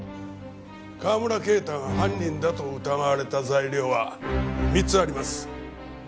川村啓太が犯人だと疑われた材料は３つあります。